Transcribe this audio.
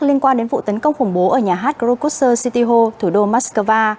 liên quan đến vụ tấn công khủng bố ở nhà hát krokusso city hall thủ đô moskova